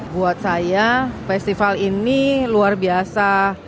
buat saya festival ini luar biasa